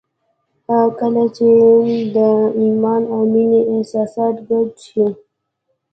کله چې د ایمان او مینې احساسات ګډ شي